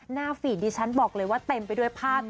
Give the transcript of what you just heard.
ฟีดดิฉันบอกเลยว่าเต็มไปด้วยภาพ